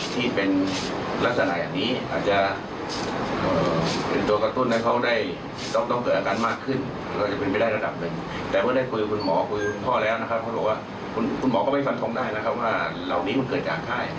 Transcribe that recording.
แต่เมื่อได้คุยกับคุณหมอคุยกับคุณพ่อแล้วนะคะเขาบอกว่าคุณหมอก็ไม่ฝันทรงได้นะคะว่าเหล่านี้มันเกิดจากค่าย